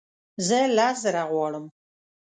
زه لس زره غواړم